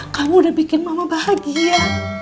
kamu udah bikin mama bahagia